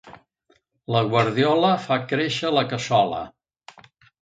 La guardiola fa créixer la cassola.